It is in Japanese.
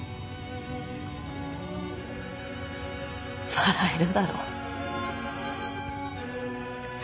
笑えるだろ？